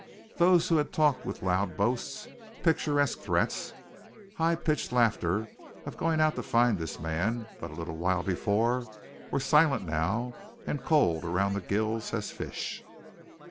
Those who had talked with loud boasts, picturesque threats, high pitched laughter, of going out to find this man but a little while before, were silent now and cold around the gills as fish.